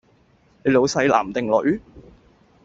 你老細男定女？